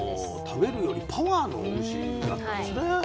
食べるよりパワーの牛だったんですね。